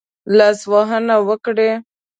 لاسوهنه وکړي.